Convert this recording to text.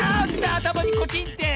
あたまにコチンって。